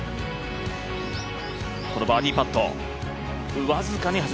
このバーディーパット。